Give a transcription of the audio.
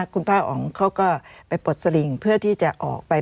คุณป้าอ๋องเขาก็ไปปลดสลิงเพื่อที่จะออกไป